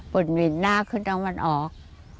เป็นวินหน้าขึ้นแล้วมันออก